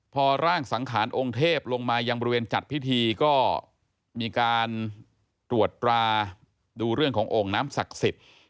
พอร่างสังขารองค์เทพลงมายังบริเวณจัดพิธีก็มีการตรวจตราดูเรื่องของโอ่งน้ำศักดิ์สิทธิ์